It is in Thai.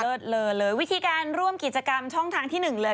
เลิศเลยเลยวิธีการร่วมกิจกรรมช่องทางที่๑เลย